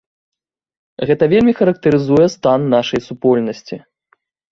Гэта вельмі характарызуе стан нашай супольнасці.